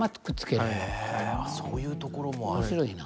へえそういうところもあるんだ。